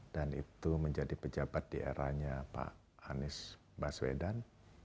dan itu menjadi pejabat di eranya pak anies baswedan